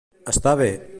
Estar bé.